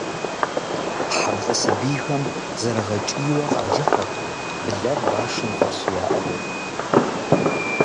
Хьэблэ сэбийхэм зэрыгъэкӏийуэ къажыхьырт, блэр башым фӏэлъу яӏыгъыу.